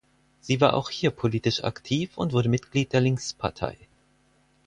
Sie war auch hier politisch aktiv und wurde Mitglied der Linkspartei.